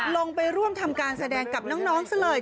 ลงไปร่วมทำการแสดงกับน้องซะเลย